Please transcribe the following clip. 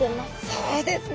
そうですね。